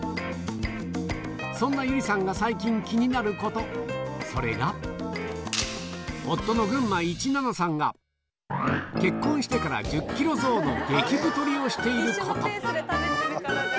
そんな友梨さんが最近気になること、それが、夫のグンマ１７さんが、結婚してから１０キロ増の激太りをしていること。